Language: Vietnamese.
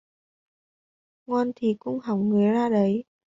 Ngoan thì cũng hỏng người ra đấy